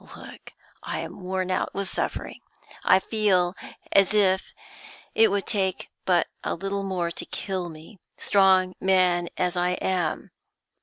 Look I am worn out with suffering; I feel as if it would take but a little more to kill me, strong man as I am.